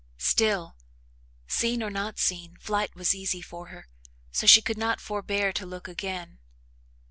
Still, seen or not seen, flight was easy for her, so she could not forbear to look again.